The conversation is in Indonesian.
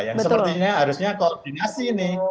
yang sepertinya harusnya koordinasi ini